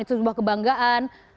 itu sebuah kebanggaan